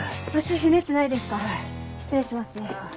失礼しますね。